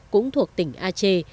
cũng thuộc tỉnh aceh